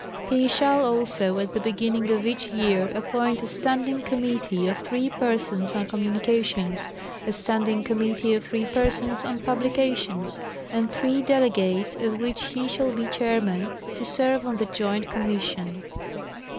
He shall, also, at the beginning of each year appoint a Standing Committee, of three persons, on Communications ; a Standing Committee, of three persons, on Publications ; and three dele gates, of which he shali be chairman, to serve on the Joint Com mission.